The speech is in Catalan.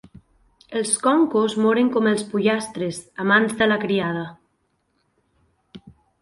Els concos moren com els pollastres, a mans de la criada.